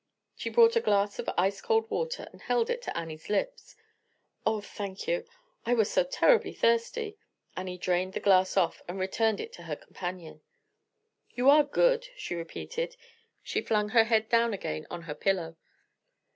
She brought a glass of ice cold water, and held it to Annie's lips. "Oh, thank you; I was so terribly thirsty!" Annie drained the glass off and returned it to her companion. "You are good," she repeated. She flung her head down again on her pillow.